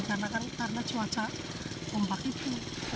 karena cuaca ombak itu